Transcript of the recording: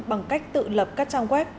bằng cách tự lập các trang web